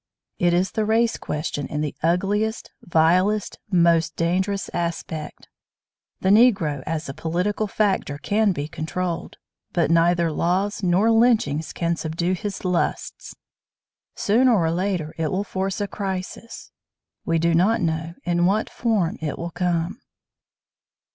It is the race question in the ugliest, vilest, most dangerous aspect. The Negro as a political factor can be controlled. But neither laws nor lynchings can subdue his lusts. Sooner or later it will force a crisis. We do not know in what form it will come.